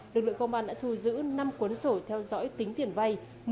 lực lượng công an đã thu giữ năm cuốn sổ theo dõi tính tiền vay